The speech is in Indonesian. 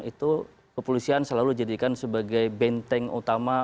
itu kepolisian selalu dijadikan sebagai benteng utama